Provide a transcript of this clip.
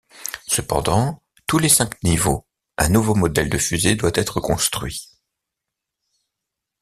Cependant, tous les cinq niveaux, un nouveau modèle de fusée doit être construit.